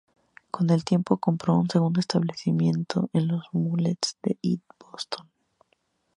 Con el tiempo, compró un segundo establecimiento en los muelles de East Boston.